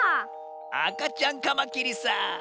あかちゃんカマキリさ。